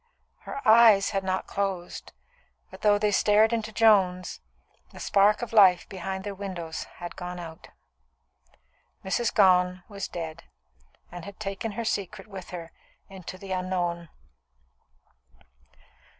Her eyes had not closed, but though they stared into Joan's, the spark of life behind their windows had gone out. Mrs. Gone was dead, and had taken her secret with her into the unknown.